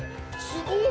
すごい。